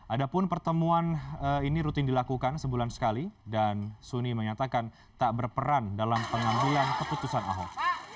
adapun pertemuan ini rutin dilakukan sebulan sekali dan suni menyatakan tak berperan dalam pengambilan keputusan ahok